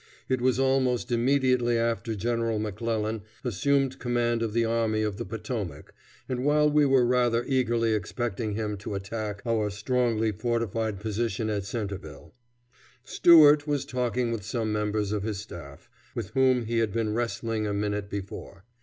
It was almost immediately after General McClellan assumed command of the army of the Potomac, and while we were rather eagerly expecting him to attack our strongly fortified position at Centreville. Stuart was talking with some members of his staff, with whom he had been wrestling a minute before.